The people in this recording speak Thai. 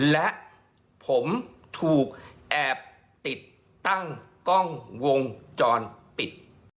และผมถูกแอบติดตั้งกล้องวงจรปิด